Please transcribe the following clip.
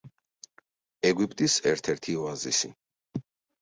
ეგვიპტის ერთ-ერთი ოაზისი.